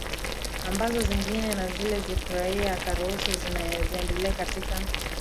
ambazo zingine na zile sifurahie akaruhusu ziendelee katika